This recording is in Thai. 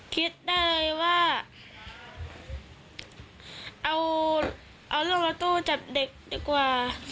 คิดได้เลยว่าเอารถละตู้จับเด็กดีกว่า